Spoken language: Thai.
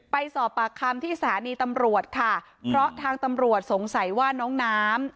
ไปสอบปากคำที่สถานีตำรวจค่ะเพราะทางตำรวจสงสัยว่าน้องน้ำ